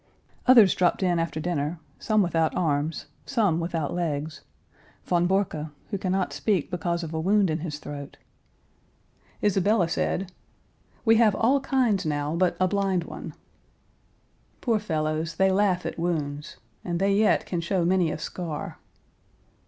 Others dropped in after dinner; some without arms, some without legs; von Borcke, who can not speak because of a wound in his throat. Isabella said: "We have all kinds now, but a blind one." Poor fellows, they laugh at wounds. "And they yet can show many a scar."